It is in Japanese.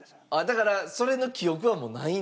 だからそれの記憶はもうない？